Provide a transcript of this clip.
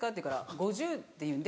「５０」って言うんで